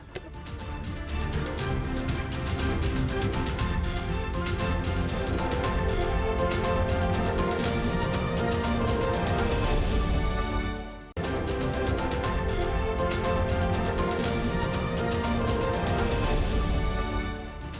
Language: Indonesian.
usah aja dah kami akan segera kembali